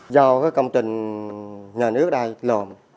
do cái công trình nhà nước đây lồn